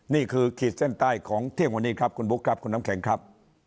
ขีดเส้นใต้ของเที่ยงวันนี้ครับคุณบุ๊คครับคุณน้ำแข็งครับ